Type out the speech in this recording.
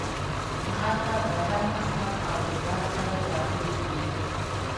هلته د هر مذهب او هېواد خلک راټول وي.